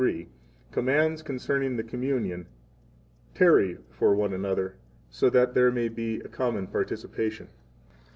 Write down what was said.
11:33, commands concerning the Communion: Tarry one for another, so that there may be a common participation.